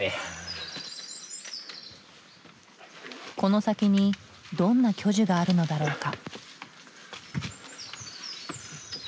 この先にどんな巨樹があるのだろうか？